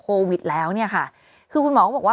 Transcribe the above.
คุณผู้ชมขายังจริงท่านออกมาบอกว่า